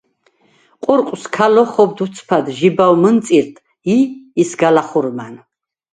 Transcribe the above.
ყურყვს ქა ლოხობდ უცბად ჟიბავ მჷნწირდ ი ისგა ლა̈ხჷრმან.